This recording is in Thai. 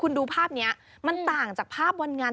คืออยากเห็นตัวเองมากเลยอะไรของตัวเอง